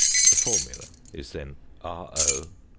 The formula is then RO.